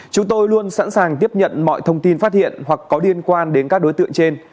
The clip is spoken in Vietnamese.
chúng tôi luôn sẵn sàng tiếp nhận mọi thông tin phát hiện hoặc có liên quan đến các đối tượng trên